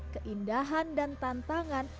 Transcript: keindahan dan tantangan